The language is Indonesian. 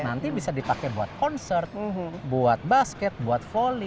karena nanti bisa dipakai buat konsert buat basket buat volley